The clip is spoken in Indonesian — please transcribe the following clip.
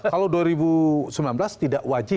kalau dua ribu sembilan belas tidak wajib